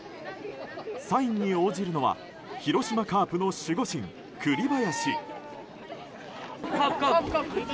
サインに応じるのは広島カープの守護神・栗林。